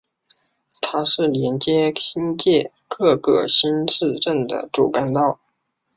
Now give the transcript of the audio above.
它是连接新界各个新市镇的主干道。